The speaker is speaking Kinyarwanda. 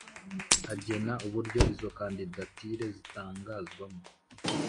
agena uburyo izo kandidatire zitangazwamo